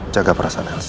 jaga perasaan elsa